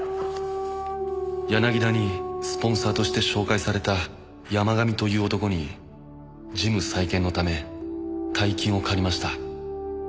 「柳田にスポンサーとして紹介された山神という男にジム再建の為大金を借りました」